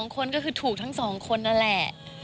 ๒คนก็คือถูกทั้ง๒คนนั่นแหละ